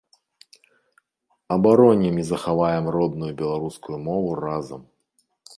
Абаронім і захаваем родную беларускую мову разам!